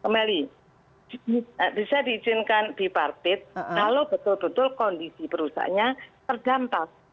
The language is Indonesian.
kembali bisa diizinkan dipartit kalau betul betul kondisi perusahaannya terdampak